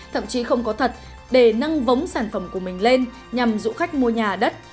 thậm chí không có thật để nâng vống sản phẩm của mình lên nhằm dụ khách mua nhà đất